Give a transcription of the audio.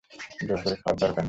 জোর করে খাওয়ার দরকার নেই।